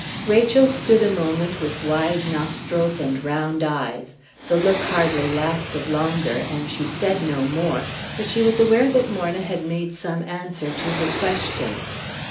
Rachel stood a moment with wide nostrils and round eyes; the look hardly lasted longer, and she said no more, but she was aware that Morna had made some answer to her question.